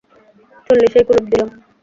চল্লিশেই কুলুপ দিলাম।